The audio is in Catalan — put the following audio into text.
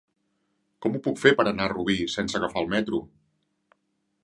Com ho puc fer per anar a Rubí sense agafar el metro?